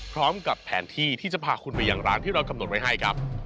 พร้อมกับแผนที่ที่จะพาคุณไปอย่างร้านที่เรากำหนดไว้ให้ครับ